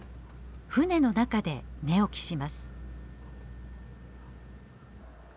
船の中で寝起きします。